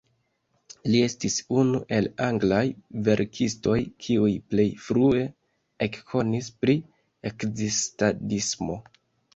Li estis unu el anglaj verkistoj kiuj plej frue ekkonis pri ekzistadismo.